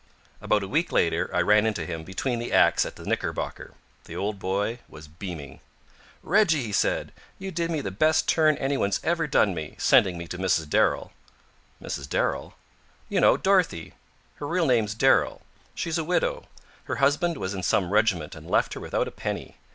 About a week later I ran into him between the acts at the Knickerbocker. The old boy was beaming. "Reggie," he said, "you did me the best turn anyone's ever done me, sending me to Mrs. Darrell." "Mrs. Darrell?" "You know. Dorothea. Her real name's Darrell. She's a widow. Her husband was in some regiment, and left her without a penny.